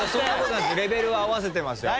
レベルは合わせてます。